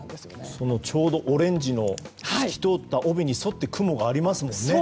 ちょうどオレンジの透き通った帯に沿って雲がありますもんね。